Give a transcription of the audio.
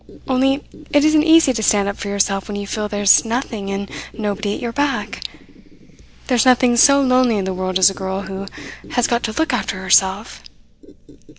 Only it isn't easy to stand up for yourself when you feel there's nothing and nobody at your back. There's nothing so lonely in the world as a girl who has got to look after herself.